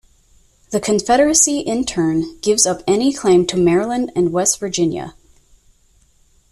The Confederacy, in turn, gives up any claim to Maryland and West Virginia.